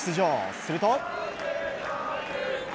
すると。